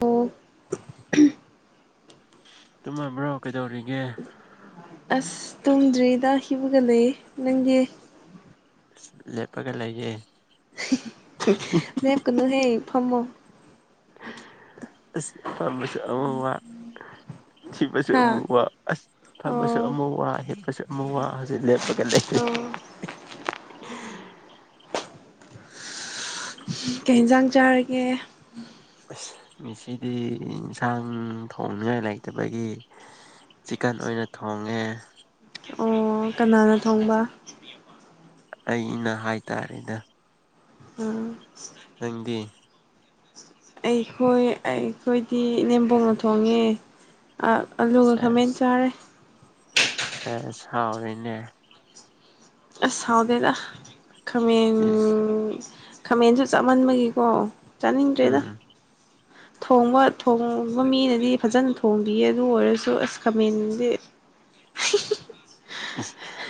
ꯑꯣ ꯆꯨꯝꯃꯕ꯭ꯔꯣ ꯀꯩꯗꯧꯔꯤꯒꯦ ꯑꯁ ꯇꯨꯝꯗ꯭꯭ꯔꯤꯗ ꯍꯤꯕꯒ ꯂꯩ ꯅꯪꯗꯤ ꯂꯦꯞꯄꯒ ꯂꯩꯌꯦꯦ ꯀꯅ ꯍꯦ ꯐꯃꯣ ꯑ ꯇꯝꯕꯁꯨ ꯑ ꯋꯥ ꯊꯤꯕꯁꯨ ꯍꯥ ꯑꯃꯨ ꯋꯥ ꯑꯁ ꯐꯝꯕꯁꯨ ꯑꯣ ꯑꯃꯨꯛ ꯋꯥ ꯍꯤꯞꯄꯁꯨ ꯑꯃꯨ ꯋꯥ ꯍꯧꯖꯤꯛ ꯂꯦꯞꯄꯒ ꯂꯩꯔ ꯀꯩ ꯏꯟꯁꯥꯡ ꯆꯥꯔꯒꯦ ꯑꯁ ꯃꯤꯁꯤꯗꯤ ꯌꯦꯟꯁꯥꯡ ꯊꯣꯡꯅꯤꯉꯥꯏ ꯂꯩꯇꯕꯒꯤ ꯆꯤꯀꯟ ꯑꯣꯏꯅ ꯊꯣꯡꯉꯦ ꯑꯣ ꯀꯅꯥꯅ ꯊꯣꯡꯕ ꯑꯩꯅ ꯍꯥꯏꯇꯥꯔꯦꯅꯦ ꯑꯥ ꯅꯪꯗꯤ ꯑꯩꯈꯣꯏ ꯑꯩꯈꯣꯏꯗꯤ ꯅꯦꯝꯕꯣꯡꯅ ꯊꯣꯡꯉꯦ ꯑꯂꯨꯒ ꯈꯥꯃꯦꯟ ꯆꯥꯔꯦ ꯁꯦ ꯆꯥꯎꯥꯎꯔꯤꯅꯦ ꯑꯁ ꯁꯥꯎꯗꯦꯗ ꯈꯃꯦꯟ ꯏꯁ ꯈꯥꯃꯦꯟꯁꯨ ꯆꯞꯃꯟꯕꯒꯤꯀꯣ ꯆꯥꯅꯤꯡꯗ꯭ꯔꯦꯗ ꯎꯝ ꯊꯣꯡꯕ ꯊꯣꯡꯕ ꯃꯤꯅꯗꯤ ꯐꯖꯅ ꯊꯣꯡꯕꯤꯌꯦ ꯑꯗꯨ ꯑꯣꯏꯔꯁꯨ ꯑꯁ ꯈꯥꯃꯦꯟꯁꯦ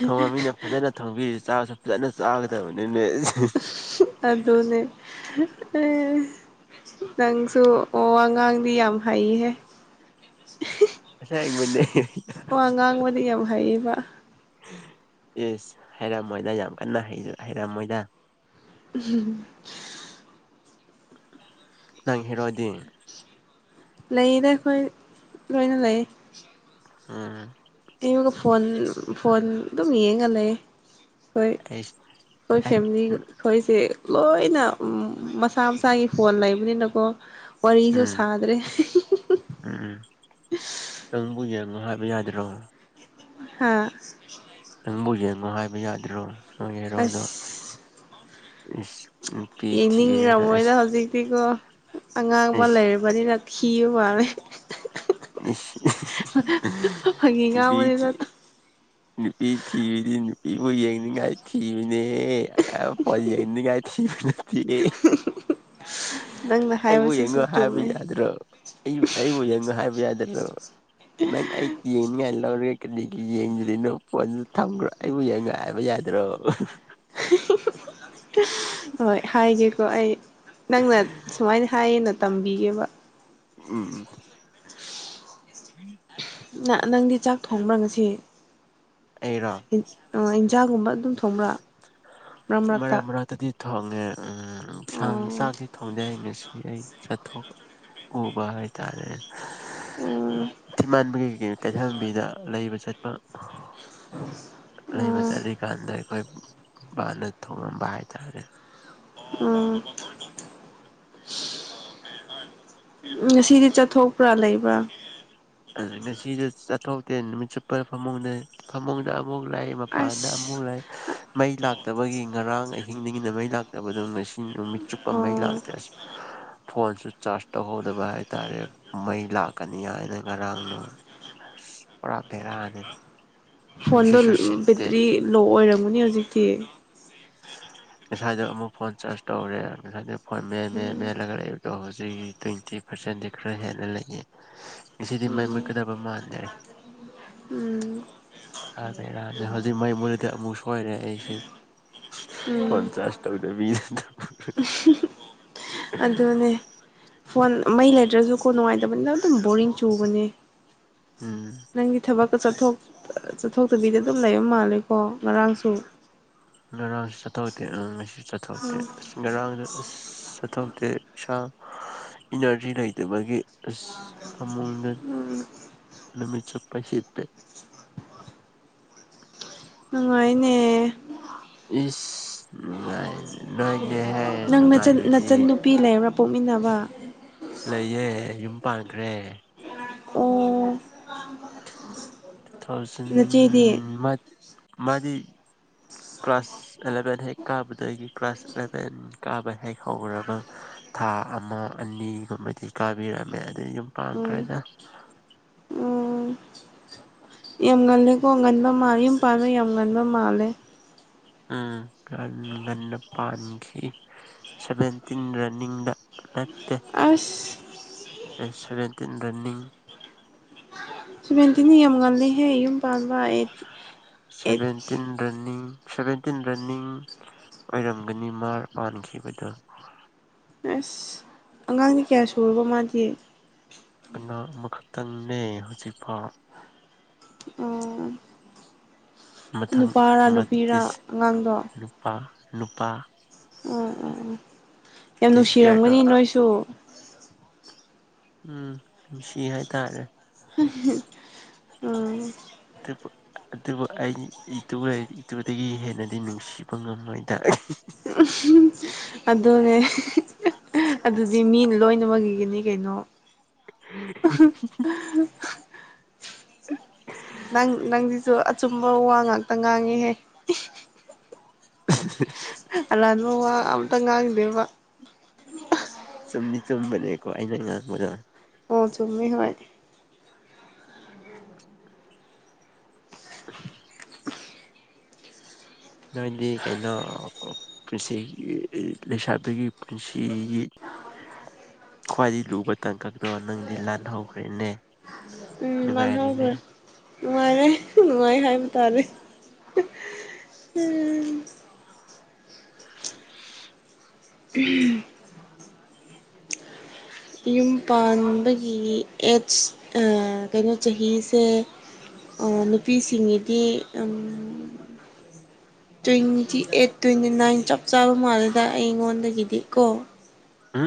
ꯊꯣꯡꯕ ꯃꯤꯅ ꯐꯖꯅ ꯊꯣꯡꯕꯤ ꯆꯥ ꯁꯖꯥꯅ ꯆꯥꯒꯗ ꯍꯧꯅꯤꯅꯦ ꯑꯗꯨꯅꯦ ꯅꯪꯁꯨ ꯑꯣ ꯑꯉꯥꯡꯗꯤ ꯌꯥꯝ ꯍꯩꯍꯦ ꯑꯁ ꯍ ꯃꯅꯤꯦ ꯋꯥ ꯉꯥꯡꯕꯗꯤ ꯌꯥꯝ ꯍꯩꯌꯦꯕ ꯏꯁꯁ ꯍꯥꯏꯔꯝꯃꯣꯏꯗ ꯌꯥꯝ ꯀꯟꯅ ꯍꯥꯏꯔꯝꯃꯣꯏꯗ ꯎꯝ ꯅꯪ ꯍꯗꯦ ꯂꯩꯗ ꯑꯩꯈꯣꯏ ꯂꯣꯏꯅ ꯂꯩ ꯎꯝ ꯏꯒ ꯐꯣꯟ ꯐꯣꯟꯗꯨꯝ ꯌꯦꯒ ꯂꯩꯌꯦ꯫ ꯍꯣꯏ ꯑꯩ ꯈꯣꯏ ꯐꯦꯃꯤꯂꯤ ꯎꯝ ꯈꯣꯏꯁꯦ ꯂꯣꯏꯅ ꯃꯁꯥ ꯃꯁꯥꯒꯤ ꯐꯣꯟ ꯂꯩꯕꯅꯤꯅꯀꯣ ꯋꯥꯔꯤꯁꯨ ꯎꯝ ꯁꯥꯗ꯭ꯔꯦ ꯎꯝ ꯎꯝ ꯅꯪꯕꯨ ꯌꯦꯡ ꯎꯝ ꯍꯥꯏꯕ ꯌꯥꯗ꯭ꯔꯣ꯫ ꯍꯥ ꯅꯪꯕꯨ ꯌꯦꯡꯉꯣ ꯍꯥꯏꯕ ꯌꯥꯗꯔꯣ꯫ [unintelligible] ꯏ ꯏꯅꯤꯡ ꯔꯃꯣꯏꯗ ꯍꯧꯖꯤꯛꯇꯤꯀꯣ ꯑꯉꯥꯡ ꯑꯃ ꯏꯁ ꯂꯩꯔꯕꯅꯤꯅ ꯊꯤꯕ ꯃꯥꯜꯂꯦ꯫ ꯏꯁ ꯐꯥꯒꯤ ꯅꯨꯄꯤ ꯊꯤ ꯉꯥꯡꯕꯅꯤꯅ ꯅꯨꯄꯤ ꯊꯤꯕꯤꯗꯤ ꯅꯨꯄꯤꯕꯨ ꯌꯦꯡꯅꯤꯡꯉꯥꯏ ꯊꯤꯕꯅꯦ ꯍꯦ ꯐꫭꯟ ꯌꯦꯡꯅꯤꯡꯉꯥꯏ ꯊꯤꯕ ꯅꯠꯇꯦ꯫ ꯅꯪꯅ ꯑꯩꯕꯨ ꯍꯥꯏꯕꯁꯤꯁꯨ ꯌꯦꯡꯉꯨ ꯍꯥꯏꯕ ꯆꯨꯝꯃꯦ ꯌꯥꯗ꯭ꯔꯣ ꯑꯩꯕꯨ ꯌꯦꯡꯉꯨ ꯍꯥꯏꯕ ꯌꯥꯗ [unintelligible] ꯅꯪ ꯑꯥꯏꯇ ꯌꯦꯅꯤꯡꯉꯥꯏ ꯂꯧꯔꯤꯛ ꯀꯔꯤꯒꯤ ꯌꯦꯡꯗ꯭ꯔꯤꯅꯣ ꯄꯣꯟꯗꯨ ꯊꯝꯈ꯭ꯔꯣ ꯑꯩꯕꯨ ꯌꯦ ꯉꯥꯏ ꯍꯥꯏꯕ ꯌꯥꯗ꯭ꯔꯣ ꯍꯣꯏ ꯍꯥꯏꯒꯦꯀꯣ ꯑꯩ꯫ ꯅꯪꯅ ꯁꯨꯃꯥꯏꯅ ꯍꯥꯏꯌꯦꯅ ꯇꯝꯕꯤꯒꯦꯕ꯫ ꯎꯝ ꯎ ꯅ ꯅꯪꯗꯤ ꯆꯥꯛ ꯊꯣꯡꯕ꯭ꯔꯉꯁꯤ꯫ ꯑꯩꯔꫭ꯫ ꯑꯣ ꯏꯟꯖꯥꯡꯒꯨꯝꯕ ꯑꯗꯨꯝ ꯊꯣꯡꯕ꯭ꯔꯥ꯫ ꯃꯔꯛ ꯃꯔꯛꯇꯗꯤ ꯊꯣꯡꯉꯦ ꯁꯪ ꯎꯝ ꯆꯥꯛꯇꯤ ꯊꯣꯡꯗꯦ ꯍꯥꯏ ꯉꯁꯤ ꯑꯩ ꯆꯠꯊꯣꯛ ꯎꯕ ꯍꯥꯏꯇꯥꯔꯦ꯫ ꯗꯤꯃꯥꯟꯕꯒꯤ ꯑꯩꯈꯒꯤ ꯀꯩꯊꯦꯜꯕꯤꯗ ꯂꯩꯕ ꯆꯠꯄ ꯂꯩꯕ ꯆꯠꯂꯤꯀꯥꯟꯗ ꯑꯩꯈꯣꯏ ꯃꯥꯅ ꯊꯣꯡꯉꯝꯕ ꯍꯥꯏꯇꯥꯔꯦ ꯎꯝ ꯉꯁꯤꯗꯤ ꯆꯠꯊꯣꯛꯄ꯭ꯔꯥ ꯂꯩꯕ꯭ꯔꯥ꯫ ꯉꯁꯤꯁꯨ ꯆꯠꯊꯣꯛꯇꯦ ꯅꯨꯃꯤꯠ ꯆꯨꯞꯄ ꯐꯃꯨꯡꯗ ꯐꯃꯨꯡꯗ ꯑꯃꯨꯛ ꯂꯥꯛ ꯃꯄꯥꯟꯗ ꯑꯃꯨꯛ ꯑꯁ ꯂꯥꯛ ꯃꯩ ꯂꯥꯛꯇꯕꯒꯤ ꯉꯔꯥꯡ ꯑꯍꯤꯡꯗꯒꯤꯅ ꯃꯩ ꯂꯥꯛꯇꯕꯗꯣ ꯉꯁꯤ ꯅꯨꯃꯤꯠ ꯆꯨꯞꯄ ꯃꯩ ꯑꯣ ꯂꯥꯛꯇ꯭ꯔꯦ ꯑꯁ ꯐꯣꯟꯁꯨ ꯆꯥꯔꯖ ꯇꯧꯍꯧꯗꯕ ꯍꯥꯏꯇꯥꯔꯦ ꯃꯩ ꯂꯥꯛꯀꯅꯤ ꯍꯥꯏꯅ꯫ ꯉꯔꯥꯡꯅꯣ ꯑꯁ ꯄꯨꯔꯥ ꯕꯦꯔꯥꯅꯦ꯫ ꯐꯣꯟꯗꯣ ꯕꯦꯇ꯭ꯔꯤ ꯂꯣ ꯑꯣꯏꯔꯝꯃꯨꯅꯤ ꯍꯧꯖꯤꯛꯇꯤ꯫ ꯉꯁꯥꯏꯗꯣ ꯑꯃꯨꯛ ꯐꯣꯟ ꯆꯥꯔꯖ ꯇꯧꯔꯦ ꯉꯁꯥꯏꯗ ꯐꯣꯟ ꯃꯦꯟ ꯃꯦ ꯎꯝ ꯃꯦꯜꯂꯒ ꯂꯩꯕꯗꯣ ꯍꯧꯖꯤꯛ ꯇ꯭ꯋꯦꯟꯇꯤ ꯄꯥꯔꯁꯦꯟꯗꯤ ꯈꯔ ꯍꯦꯟꯅ ꯂꯩꯅꯤ ꯉꯁꯤꯗꯤ ꯃꯩ ꯎꯝ ꯃꯨꯠꯀꯗꯕ ꯃꯥꯟꯅꯔꯦꯔ ꯎꯝ ꯍꯧꯖꯤꯛ ꯃꯩ ꯃꯨꯠꯂꯗꯤ ꯑꯃꯨꯛ ꯁꯣꯏꯔꯦ ꯑꯩꯁꯤ ꯎꯝ ꯄꯆꯥꯥꯁ ꯇꯗ ꯃꯤꯗ ꯑꯗꯨꯗꯅꯦ ꯐꯣꯟ ꯃꯩ ꯂꯩꯇ꯭ꯔꯁꯨꯀꯣ ꯅꯨꯡꯉꯥꯏꯇꯕꯅꯤꯅ ꯑꯗꯨꯝ ꯕꯣꯔꯤꯡ ꯆꯨꯕꯅꯦ ꯎꯝ ꯅꯪꯒꯤ ꯏ ꯊꯕꯛ ꯠꯊ ꯆꯠꯊꯣꯛꯇꯕꯤꯗ ꯑꯗꯨꯝ ꯂꯩꯕ ꯃꯥꯜꯂꯦꯀꯣ ꯉꯔꯥꯡꯁꯨ ꯉꯔꯥꯡꯁꯨ ꯆꯠꯊꯣꯛꯇꯦ ꯑ ꯃꯁꯤꯁꯨ ꯆꯠꯊꯣꯛꯇꯦ ꯎꯝ ꯑꯁ ꯉꯔꯥꯡꯗ ꯑꯁ ꯆꯠꯊꯣꯛꯇꯦ ꯏꯁꯥ ꯏꯅꯔꯖꯤ ꯂꯩꯇꯕꯒꯤ ꯑꯁ ꯐꯃꯨꯡꯗ ꯅꯨꯃꯤꯠ ꯆꯠꯄ ꯁꯤꯞꯄꯦ ꯉꯥꯏꯅꯦ ꯏ ꯎ ꯅꯣꯏꯅꯦ ꯍꯦ ꯅꯪ ꯅꯆ ꯅꯆꯟ ꯅꯨꯄꯤ ꯂꯩꯔꯔꯥ ꯄꯣꯛꯃꯤꯟꯅꯕ ꯂꯩꯌꯦꯦ ꯌꯨꯝ ꯄꯥꯟꯈ꯭ꯔꯦ ꯑꯣ ꯇꯨ ꯊꯥꯎꯖꯟ ꯅꯆꯦꯗꯤ ꯃꯥ ꯃꯥꯗꯤ ꯀ꯭ꯂꯥꯁ ꯑꯦꯂꯚꯦꯟ ꯍꯦꯛ ꯀꯥꯕꯗꯒꯤ ꯀ꯭ꯂꯥꯁ ꯑꯦꯂꯚꯦꯟ ꯀꯥꯕ ꯍꯦꯛ ꯍꯧꯈꯕ ꯊꯥ ꯑꯃ ꯑꯅꯤꯒꯨꯝꯕꯗꯤ ꯀꯥꯕꯤꯔꯝꯃꯦ ꯑꯗꯨ ꯌꯨꯝ ꯎꯝ ꯄꯥꯡꯈ꯭ꯔꯦꯅ ꯌꯥꯝꯒꯜꯂꯦꯀꯣꯒꯟꯕ ꯃꯥꯜꯂꯦ ꯌꯨꯝ ꯄꯥꯜꯂ ꯌꯥꯝꯒꯟꯕ ꯃꯥꯜꯂꯦ ꯎꯝ ꯉꯟꯅ ꯄꯥꯟꯈꯤ ꯁꯚꯦꯟꯇꯤꯟ ꯔꯟꯅꯤꯡꯗ ꯅꯠꯇꯦ ꯑꯁ ꯑꯦꯁꯔꯦ ꯇꯤꯟ ꯔꯅꯤꯡ ꯁꯤꯃꯦꯟꯇ ꯅꯤꯌꯝ ꯒꯥꯟꯗ ꯍꯥꯏꯦꯌꯨꯝ ꯄꯕꯥ ꯁꯚꯦꯟꯇꯤꯟ ꯔꯟꯅꯤꯡ ꯁꯚꯦꯟꯇꯤꯟ ꯔꯟꯅꯤꯡ ꯑꯣꯏꯔꯝꯒꯅꯤ ꯃꯥꯔ ꯃꯥꯟꯈꯤꯕꯗꯣ꯫ ꯑꯁ ꯑꯉꯥꯡꯗꯤ ꯀꯌꯥ ꯁꯨꯔꯕ ꯃꯥꯗꯤ ꯀ ꯃꯈ ꯇꯪꯅꯦ ꯍꯧꯖꯤꯛꯐ ꯑꯣ ꯅꯨꯄꯥꯔꯥ ꯅꯨꯄꯤꯔ ꯃꯇꯤꯁ ꯑꯉꯥꯡꯗꯣ ꯅꯨꯄꯥ ꯅꯨꯄꯥ ꯎꯝ ꯎꯝ ꯎꯝ꯫ ꯌꯥꯝ ꯇꯤꯁ ꯌꯥꯔꯗꯣ ꯅꯨꯡꯁꯤꯔꯝꯒꯅꯤ ꯅꯣꯏꯁꯨ ꯎꯝ ꯁꯤ ꯍꯥꯏꯇꯥꯔꯦ ꯎꯝ ꯑꯗꯨꯕꯨ ꯑꯩ ꯏꯇꯨ ꯏꯇꯨꯗꯒꯤ ꯍꯦꯟꯅꯗꯤ ꯅꯨꯡꯁꯤꯕ ꯉꯝꯃꯣꯏꯗ ꯑꯗꯨꯅꯦ ꯑꯗꯨꯗꯤ ꯃꯤꯅ ꯂꯣꯏꯅꯃꯛꯒꯤꯅꯤ ꯀꯩꯅꯣ꯫ ꯅꯪ ꯅꯪꯗꯤꯁꯨ ꯆꯨꯝꯕ ꯋꯥ ꯉꯥꯛꯇ ꯉꯥꯡꯉꯤꯍꯦ [unintelligible] ꯑꯂꯥꯟꯕ ꯋꯥ ꯑꯇ ꯉꯥꯡꯗꯦꯕ [unintelligible] ꯆꯨꯝꯗꯤ ꯆꯨꯝꯕꯅꯦꯀꯣ ꯑꯩꯅ ꯉꯥꯡꯕꯗꫭ꯫ ꯑꯣ ꯆꯃꯤꯃꯦ ꯍ ꯑ ꯅꯣꯏꯗꯤ ꯀꯩꯅꯣ ꯄꯨꯟꯁꯤꯒꯤ ꯂꯩꯁꯥꯕꯤꯒꯤ ꯄꯨꯟꯁꯤꯒꯤ ꯈ꯭ꯋꯥꯏꯗꯒꯤ ꯂꯨꯕ ꯇꯥꯡꯀꯛꯇꯣ ꯅꯪꯗꯤ ꯂꯥꯟꯍꯧꯈ꯭ꯔꯦꯅꯦ ꯎꯝ ꯃꯥꯟꯍꯧꯈ꯭ꯔꯦ ꯒꯥꯏꯔꯤꯅꯦꯦ ꯅꯨꯡꯉꯥꯏꯔꯦ ꯅꯨꯡꯉꯥꯏ ꯍꯥꯏꯕ ꯇꯥꯔꯦ ꯎꯝ ꯌꯨꯝ ꯄꯥꯟꯕꯒꯤ ꯑꯦꯖ ꯀꯩꯅꯣ ꯆꯍꯤꯁꯦ ꯅꯨꯄꯤꯁꯤꯡꯒꯤꯗꯤ ꯇ꯭ꯋꯦꯟꯇꯤ ꯑꯩꯠ ꯇ꯭ꯋꯦꯟꯇꯤ ꯅꯥꯏꯟ ꯆꯞ ꯆꯥꯕ ꯃꯥꯜꯂꯦꯗ ꯑꯩꯉꯣꯟꯗꯒꯤꯗꯤ ꯀꯣ ꯍꯥ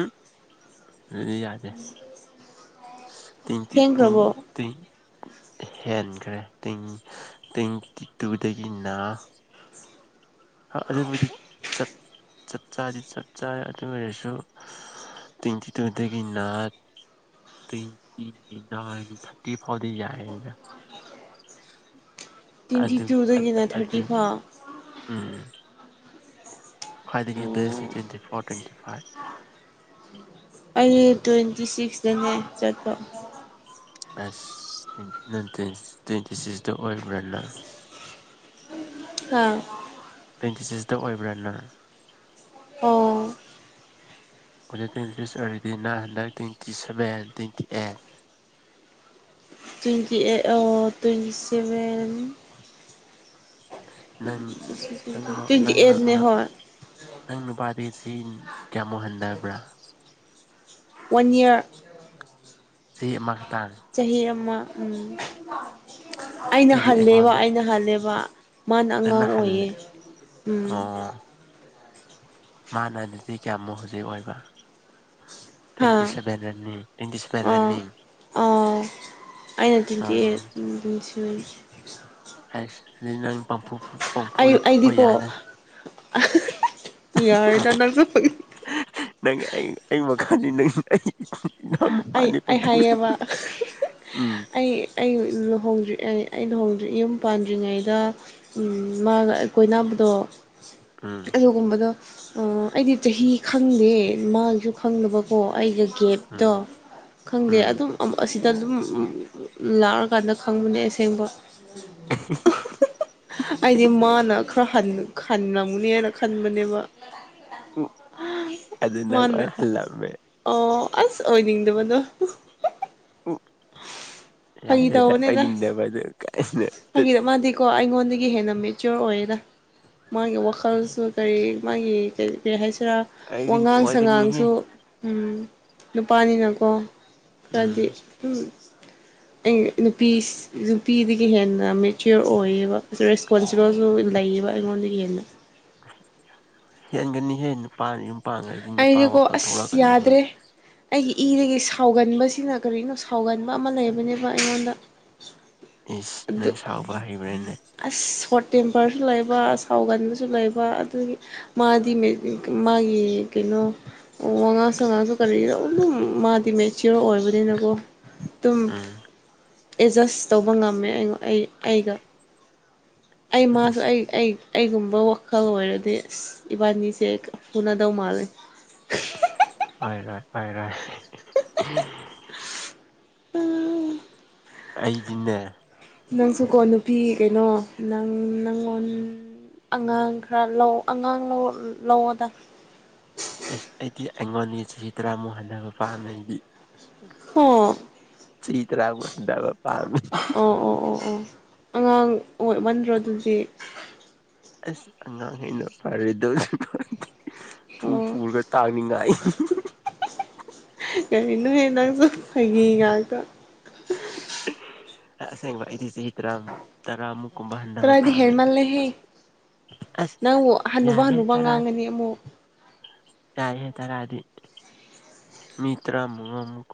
ꯑꯗꯨꯗꯤ ꯌꯥꯗꯦ ꯇꯤꯟꯇꯤ ꯇꯤꯟ ꯊꯦꯡꯈ꯭ꯔꯕꯣ ꯇ ꯍꯦꯟꯈ꯭ꯔꯦ ꯇꯦꯡ ꯇꯦꯡ ꯇꯇꯨꯗꯒꯤ ꯑꯗꯨꯕꯨꯗꯤ ꯆꯞ ꯆꯗꯤ ꯆꯞ ꯆꯥ ꯑꯗꯨ ꯑꯣꯏꯔꯁꯨ ꯇ꯭ꯋꯦꯟꯇꯤ ꯇꯨꯗꯒꯤꯅ ꯇ꯭ꯋꯦꯟꯇꯤ ꯅꯥꯏꯟ ꯊꯥꯔꯇꯤ ꯐꯥꯎꯗꯤ ꯌꯥꯏꯅ ꯎꯝ ꯇ꯭ꯋꯦꯟꯇꯤ ꯑꯗꯨ ꯇꯨꯗꯒꯤꯅ ꯑ ꯊꯥꯔꯇꯤ ꯐꯥꯎ ꯎꯝ ꯈ꯭ꯋꯥꯏꯗꯒꯤꯁ ꯇ꯭ꯋꯦꯟꯇꯤ ꯐꯣꯔ ꯇ꯭ꯋꯦꯟꯇꯤ ꯐꯥꯏꯚ ꯑꯩ ꯇ꯭ꯋꯦꯟꯇꯤ ꯁꯤꯛꯁꯇꯅꯦ ꯆꯠꯄ ꯑꯁ꯭ꯅꯥꯏꯇ ꯇ꯭ꯋꯦꯟꯇꯤ ꯁꯤꯛꯁꯇ ꯑꯣꯏꯕ꯭ꯔꯅ ꯑ ꯇ꯭ꯋꯦꯟꯇꯤ ꯁꯤꯛꯁꯇ ꯑꯣꯏꯕ꯭ꯔꯥꯅꯔ ꯑꯣ ꯑꯩꯗ ꯇ꯭ꯋꯦꯟꯇ꯭ꯁ ꯑꯣꯏꯔꯗꯤ nine hundred twenty seven twenty eight twenty eight ꯑꯣ ꯇ꯭ꯋꯦꯟꯇꯤ ꯁꯚꯦꯟ ꯅꯪ ꯅꯪ ꯇ꯭ꯋꯦꯟꯇꯤ ꯅꯪꯅ ꯑꯩꯠꯅꯦ ꯍꯣꯏ ꯅꯪꯅ ꯁꯤ ꯀꯃꯣ ꯍꯦꯟꯗꯥꯕ ꯋꯥꯟꯌꯥ ꯁꯤ ꯑꯃ ꯆꯍꯤꯔꯃ ꯎꯝ ꯑꯩꯅ ꯑꯩꯗꯤ ꯍꯜꯂꯦꯕ ꯑꯩꯉꯣꯟꯗ ꯑꯩꯅ ꯍꯜꯂꯦꯕ ꯃꯥꯅ ꯅꯪꯅ ꯑꯉꯥꯡ ꯑꯣꯏꯌꯦ ꯍꯜꯂꯦ ꯎꯝ ꯃꯥꯅꯅꯤꯖꯤ ꯀꯌꯥꯃꯨꯛ ꯍꯧꯖꯤꯛ ꯑꯣꯏꯕ ꯇ꯭ꯋꯦꯟꯇꯤ ꯍꯥ ꯁꯦꯚꯦꯟ ꯔꯟ ꯇ꯭ꯋꯦꯟꯇꯤ ꯁꯚꯦꯟ ꯑꯥ ꯔꯅꯤ ꯑꯥ ꯑꯩꯅ ꯇꯤꯟꯗꯤ ꯎꯝ ꯍꯥꯏꯁ ꯑꯗꯨ ꯅꯪ ꯄꯄꯨ ꯑꯩ ꯑꯩꯗꯤꯀꯣ ꯌꯥꯔꯦ ꯇꯅꯁꯨ ꯅꯪ ꯑꯩ ꯑꯩ ꯃꯈꯥꯅꯤ ꯅꯪ ꯑꯩ ꯏꯅꯥꯎ ꯑꯩ ꯅꯨꯄꯥꯅꯤ ꯑꯩ ꯄꯝꯐꯨ ꯍꯥꯏꯌꯦꯕ ꯎꯝ ꯑꯩ ꯑꯩ ꯂꯨꯍꯣꯡꯖ ꯑꯩ ꯑꯩꯅꯣꯡ ꯌꯨꯝ ꯄꯥꯟꯗ꯭ꯔꯤꯉꯩꯗ ꯃꯥꯒ ꯀꯣꯏꯅꯕꯗꯣ ꯎꯝ ꯑꯗꯨꯒꯨꯝꯕꯗ ꯑꯩꯗꯤ ꯆꯍꯤ ꯈꯪꯗꯦ ꯃꯥꯒꯤꯁꯨ ꯈꯪꯗꯕꯀꯣ ꯑꯩꯒ ꯀꯦꯞꯗ ꯎꯝ ꯈꯪꯗꯦ ꯎꯝ ꯑꯗꯨꯝ ꯑꯁꯤ ꯗ ꯑꯗꯨꯝ ꯂꯥꯛꯔꯀꯥꯟꯗ ꯈꯪꯕꯅꯦ ꯑꯁꯦꯡꯕ ꯑꯩꯗꯤ ꯃꯥꯅ ꯈꯔ ꯍꯟ ꯍꯟꯂꯝꯝꯅꯦꯅ ꯈꯟꯕꯅꯦꯕ ꯎ ꯑꯗꯨ ꯅꯪ ꯃꯥꯅ ꯑꯣꯏ ꯍꯜꯂꯝꯃꯦ ꯑꯣ ꯑꯁ ꯑꯣꯏ ꯃꯅꯣ ꯎ ꯌꯥꯔꯦꯗꯗꯕꯗ ꯍꯥꯏꯗ ꯃꯥꯗꯤꯤꯀꯣ ꯏꯣꯟ ꯀ ꯍꯦꯟꯅ ꯃꯦꯆꯌꯣꯔ ꯑꯣꯏꯌꯦꯦꯔꯥ ꯃꯥꯒꯤ ꯋꯥꯈꯜꯁꯨ ꯀꯔꯤ ꯃꯥꯒꯤ ꯅꯠꯇ꯭ꯔ ꯑꯩ ꯋꯥꯉꯥꯡ ꯑꯣꯏꯒꯅꯤꯍꯦ ꯁꯉꯥꯡꯁꯨ ꯎꯝ ꯅꯨꯄꯥꯅꯤꯅꯀꯣ ꯀꯗꯤ ꯎꯝ ꯎꯝ ꯑꯩ ꯅꯨꯄꯤ ꯅꯨꯄꯤꯗꯒꯤ ꯍꯦꯟ ꯃꯦꯆꯤꯌꯣꯔ ꯑꯣꯏꯌꯦꯕ ꯔꯦꯁꯄꯣꯟꯁꯤꯕꯜꯁꯨ ꯂꯩꯌꯦꯕ ꯑꯩꯉꯣꯟꯗ ꯌꯦꯟꯅ ꯍꯦꯟꯒꯅꯤ ꯍꯦ ꯅꯨꯄꯥ ꯄꯥꯡꯈꯁꯤ ꯅꯨꯄꯥ ꯑꯩꯗꯤꯀꯣ ꯋꯥꯈꯜ ꯑꯁ ꯊꯣꯛꯂꯛꯀꯅꯤ ꯌꯥꯗ꯭ꯔꯦ ꯑꯩꯒꯤ ꯏꯗꯒꯤ ꯁꯥꯎꯒꯟꯕꯁꯤꯅ ꯀꯔꯤꯅꯣ ꯁꯥꯎꯒꯟꯕ ꯑꯃ ꯂꯩꯕꯅꯦꯕ ꯑꯩꯉꯣꯟꯗ ꯏꯁꯁ ꯑꯗꯨ ꯅꯪ ꯁꯥꯎꯕ ꯍꯩꯕ꯭ꯔꯥꯅꯦ ꯑꯁ ꯁꯣꯔꯠ ꯇꯦꯝꯄꯔꯁꯨ ꯂꯩꯕ ꯁꯥꯎꯒꯟꯕꯁꯨ ꯂꯩꯕ ꯑꯗꯨꯒꯤ ꯃꯥꯗꯤ ꯃꯥꯒꯤ ꯀꯩꯅꯣ ꯋꯥꯉꯥꯡ ꯁꯉꯥꯡꯁꯨ ꯀꯔꯤꯗ ꯑꯗꯨꯝ ꯃꯥꯗꯤ ꯃꯦꯆꯤꯌꯣꯔ ꯑꯣꯏꯕꯅꯤꯅꯀꯣ ꯇꯨꯝ ꯎꯝ ꯑꯦꯠꯖꯁ ꯇꯧꯕ ꯉꯝꯃꯦ ꯑꯩꯉ ꯑꯩ ꯑꯩꯒ ꯑꯩ ꯃꯥꯁꯨ ꯑꯁ ꯑꯩ ꯑꯩ ꯑꯩꯒꯨꯝꯕ ꯋꯥꯈꯜ ꯑꯣꯏꯔꯗꯤ ꯑꯁ ꯏꯕꯥꯅꯤꯁꯦ ꯐꯨꯅꯗꯧ ꯃꯥꯜꯂꯦ ꯍꯣꯏ ꯍꯣꯏ ꯍ ꯍꯣꯏ ꯎꯝ ꯑ ꯑꯩꯗꯤꯦ ꯅꯪꯁꯨꯀꯣ ꯅꯨꯄꯤ ꯀꯩꯅꯣ ꯅꯪ ꯅꯪꯉꯣꯟ ꯑꯉꯥꯡ ꯈꯔ ꯂꯧ ꯑꯉꯥꯡ ꯂꯧꯑꯣꯗ ꯏꯁ ꯑꯩꯗꯤ ꯑꯩꯉꯣꯟꯒꯤꯇꯔꯥ ꯃꯣꯍꯟ ꯗꯕ ꯄꯥꯝꯃꯦ ꯑꯩꯗꯤ ꯑꯣ ꯆꯍꯤ ꯇꯔꯥꯃꯨꯛ ꯍꯟꯗꯕ ꯄꯥꯝꯃꯦ ꯑꯣ ꯑꯣ ꯑꯣ ꯑꯣ ꯑꯉꯥꯡ ꯑꯣꯏꯃꯟꯗ꯭ꯔꯣ ꯑꯗꯨꯗꯤ ꯑꯁ ꯑꯉꯥꯡ ꯍꯦꯟꯅ ꯐꯔꯣꯏꯗꯧ ꯄꯨ ꯑꯣ ꯄꯨꯔꯒ ꯇꯥꯡꯅꯤꯡꯉꯥꯏ ꯀꯔꯤꯅꯣ ꯍꯦ ꯅꯪꯖꯨ ꯐꯥꯒꯤ ꯉꯥꯛꯇ ꯑꯁꯦꯡꯕ ꯑꯩꯗꯤ ꯆꯍꯤ ꯇꯔꯥꯝ ꯇꯔꯥꯃꯨꯛ ꯍꯟꯊꯕ ꯇ꯭ꯔꯗꯤ ꯄꯥꯝꯃꯦ ꯍꯦꯜꯃꯜꯂꯦꯍꯦ ꯑꯁ ꯅꯪꯕꯨ ꯍꯟꯅꯨꯕ ꯌꯥꯔꯦ ꯍꯟꯅꯨꯕ ꯇꯔꯥ ꯉꯥꯡꯒꯅꯤ ꯑꯃꯨꯛ ꯌꯥꯏꯍꯦ ꯇꯔꯥ ꯗꯤ ꯃꯤ ꯇ꯭ꯔꯥ ꯃꯉꯥꯃꯨꯛ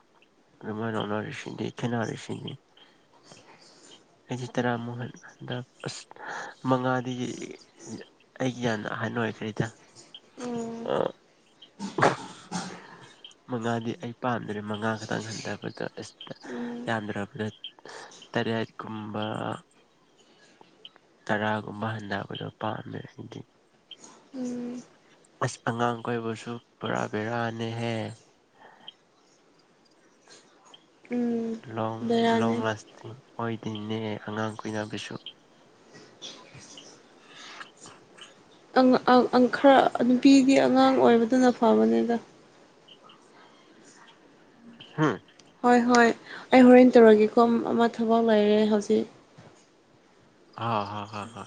ꯑꯗꯨꯃꯥꯏ ꯂꯧꯅꯔꯤꯁꯤꯗꯤ ꯈꯦꯅꯔꯤꯁꯤꯗꯤ ꯑꯩꯗꯤ ꯇꯔꯥꯃꯨꯛ ꯍꯟꯗ ꯑꯁ ꯃꯉꯥꯗꯤ ꯑꯩꯒꯤ ꯌꯥꯝꯅ ꯑꯍꯟ ꯑꯣꯏꯈ꯭ꯔꯦꯗ ꯎꯝ ꯑ ꯃꯉꯥꯗꯤ ꯑꯩ ꯄꯥꯝꯗ꯭ꯔꯦ ꯃꯉꯥ ꯈꯛꯇꯪ ꯍꯟꯗꯕꯗ ꯑꯁ ꯇ ꯎꯝ ꯌꯥꯝꯗ꯭ꯔꯕꯗ ꯇꯔꯦꯠ ꯀꯨꯝꯕ ꯇꯔꯥꯒꯨꯝꯕ ꯍꯟꯗꯕꯗꯣ ꯄꯥꯝꯃꯦ ꯑꯩꯗꯤ ꯎꯝ ꯑꯁ ꯑꯉꯥꯡ ꯀꯣꯏꯕꯁꯨ ꯄꯨꯔꯥ ꯕꯦꯔꯥꯅꯦꯍꯦ ꯎꯝ ꯂꯣꯡ ꯂꯣꯡ ꯕꯦꯔꯥꯅꯤ ꯂꯥꯁꯇꯤꯡ ꯑꯣꯏꯗꯦꯅꯦ ꯑꯉꯥꯡ ꯀꯨꯏꯅꯕꯁꯨ ꯎꯪ ꯑꯥ ꯑꯪ ꯈꯔ ꯅꯨꯄꯤꯗꯤ ꯑꯉꯥꯡ ꯑꯣꯏꯕꯗꯨꯅ ꯐꯕꯅꯦꯗ ꯍꯪ ꯍꯣꯏ ꯍꯣꯏ ꯑꯩ ꯍꯣꯔꯦꯟ ꯇꯧꯔꯒꯦꯀꯣ ꯑꯃ ꯊꯕꯛ ꯂꯩꯔꯦ ꯍꯧꯖꯤꯛ ꯑ ꯍ ꯍ ꯍ